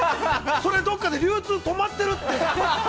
それ、どこかで流通止まってるって！